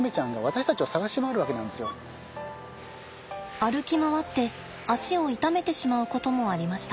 歩き回って肢を傷めてしまうこともありました。